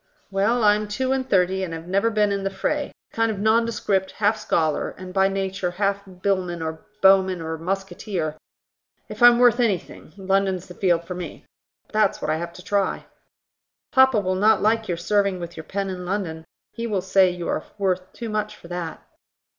"Well, I'm two and thirty, and have never been in the fray: a kind of nondescript, half scholar, and by nature half billman or bowman or musketeer; if I'm worth anything, London's the field for me. But that's what I have to try." "Papa will not like your serving with your pen in London: he will say you are worth too much for that."